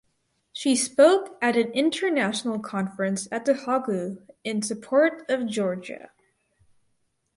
She spoke at an international conference at The Hague in support of Georgia.